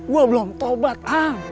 gue belum taubat ang